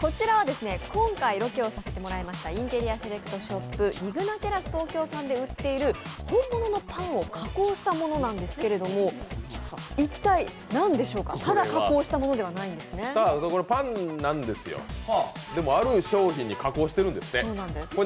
こちらは今回ロケをさせてもらいましたインテリアセレクトショップ、リグナテラス東京さんのものを加工したものなんですけれども、一体何でしょうか、ただ加工しただけではないんです。これパンなんですよ、でもある商品に加工しているんですって。